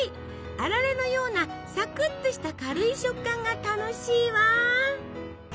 あられのようなサクッとした軽い食感が楽しいわ！